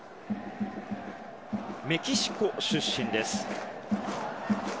メキシコ出身です。